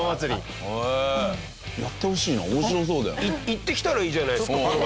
行ってきたらいいじゃないですかこの番組で。